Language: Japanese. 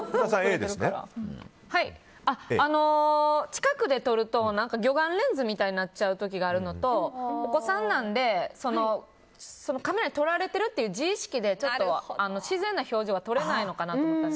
近くで撮ると魚眼レンズみたいになっちゃう時があるのとお子さんなんでカメラに撮られてるという自意識で自然な表情が撮れないのかなと。